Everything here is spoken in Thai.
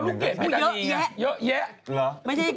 หรือเพิ่งเป็นภรรีเจ้าไปแล้วหรือ